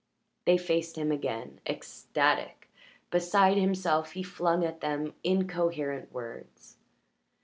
They faced him again; ecstatic, beside himself, he flung at them incoherent words.